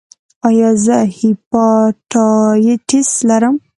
ایا زه هیپاټایټس لرم؟